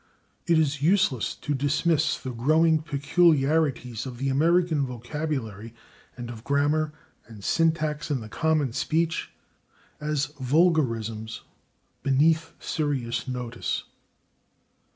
It is useless to dismiss the growing peculiarities of the American vocabulary and of grammar and syntax in the common speech as vulgarisms beneath serious notice.